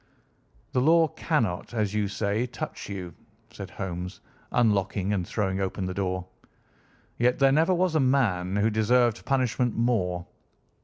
"The law cannot, as you say, touch you," said Holmes, unlocking and throwing open the door, "yet there never was a man who deserved punishment more.